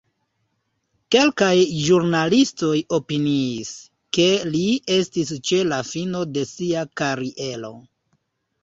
Kelkaj ĵurnalistoj opiniis, ke li estis ĉe la fino de sia kariero.